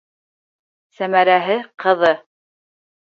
Сәмәрәһе, ҡыҙы.